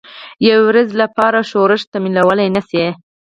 یوې ورځې لپاره ښورښ تمویلولای نه شي.